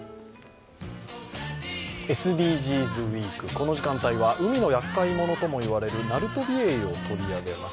ＳＤＧｓウイーク、この時間帯は海のやっかい者とも言われるナルトビエイを取り上げます。